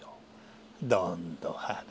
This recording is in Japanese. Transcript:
どんどはれ。